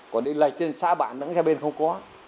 còn đi lạch trên xã bản đắng ra bên không có